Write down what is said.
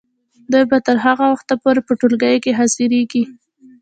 دوی به تر هغه وخته پورې په ټولګیو کې حاضریږي.